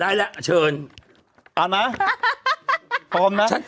อาจารย์ได้ละเชิญ